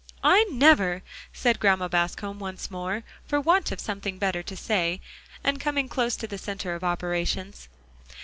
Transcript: "I never!" said Grandma Bascom once more, for want of something better to say, and coming close to the center of operations.